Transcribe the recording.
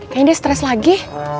kayaknya dia stres lagi